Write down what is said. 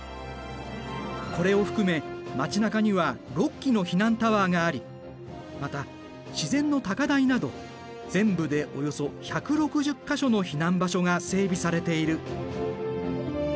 これを含め町なかには６基の避難タワーがありまた自然の高台など全部でおよそ１６０か所の避難場所が整備されている。